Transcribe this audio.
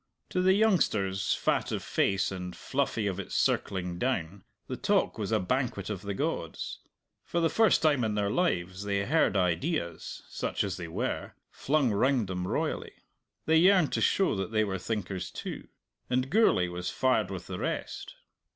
To the youngsters, fat of face and fluffy of its circling down, the talk was a banquet of the gods. For the first time in their lives they heard ideas (such as they were) flung round them royally. They yearned to show that they were thinkers too. And Gourlay was fired with the rest.